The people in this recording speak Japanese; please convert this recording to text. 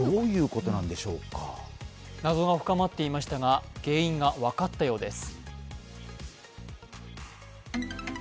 謎が深まっていましたが、原因が分かったようです。